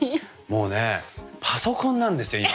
もうねパソコンなんですよ今。